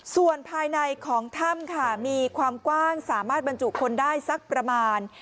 ส่วนภายในของถ้ำค่ะมีความกว้างสามารถบรรจุคนได้สักประมาณ